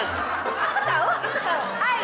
aku tau aku tau